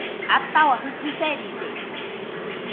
Atahua Jɨgɨ seride